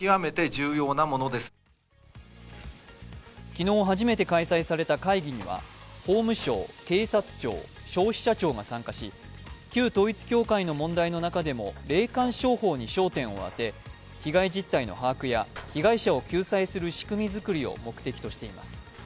昨日初めて開催された会議には法務省、警察庁、消費者庁が参加し、旧統一教会の問題の中でも霊感商法に焦点を当て被害実態の把握や被害者を救済する仕組み作りを目的としています。